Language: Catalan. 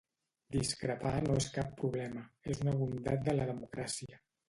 Discrepar no és cap problema, és una bondat de la democràcia.